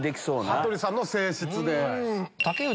羽鳥さんの声質で。